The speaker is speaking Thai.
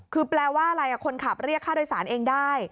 คือแปลว่าอะไรคนขับเรียกค่าโดยสารเองได้